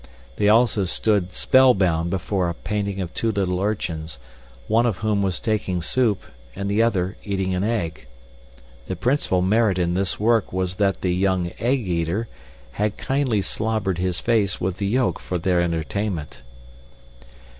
They also stood spellbound before a painting of two little urchins, one of whom was taking soup and the other eating an egg. The principal merit in this work was that the young egg eater had kindly slobbered his face with the yolk for their entertainment.